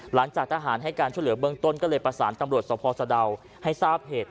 หลังจากทหารให้การช่วยเหลือเบื้องต้นก็เลยประสานตำรวจสภสะดาวให้ทราบเหตุ